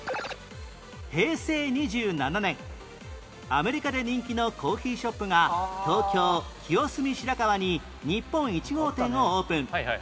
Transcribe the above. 平成２７年アメリカで人気のコーヒーショップが東京清澄白河に日本１号店をオープン